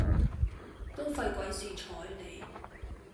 都費鬼事彩你